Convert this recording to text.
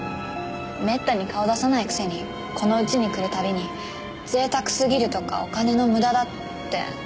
めったに顔出さないくせにこのうちに来るたびに贅沢すぎるとかお金の無駄だって。